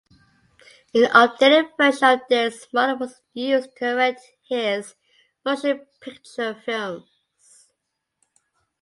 An updated version of this model was used to direct his motion-picture films.